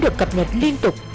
được cập nhật liên tục